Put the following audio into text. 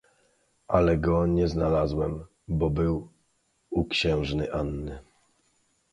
"Ale go nie znalazłem, bo był u księżny Anny."